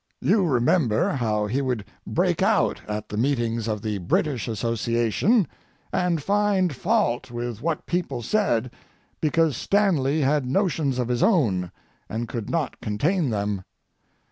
You remember how he would break out at the meetings of the British Association, and find fault with what people said, because Stanley had notions of his own, and could not contain them.